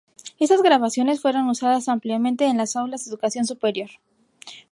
Estas grabaciones fueron usadas ampliamente en las aulas de educación superior.